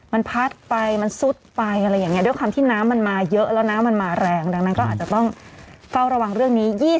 มันพัดไปมันสุดไปก็ความที่น้ำมันมาเยอะและมาแรงดังนั้นก็อาจจะต้องเฝ้าระวังเรื่องนี้